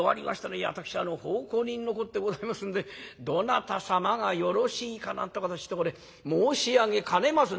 いえ私奉公人のこってございますんでどなた様がよろしいかなんてことちょっとこれ申し上げかねます」。